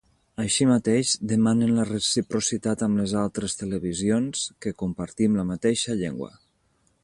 Així mateix, demanen la reciprocitat amb les altres televisions que compartim la mateixa llengua.